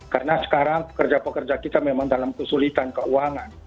karena sekarang pekerja pekerja kita memang dalam kesulitan keuangan